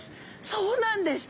そうなんです。